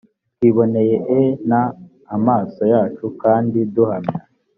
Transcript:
twiboneye e n amaso yacu kandi duhamya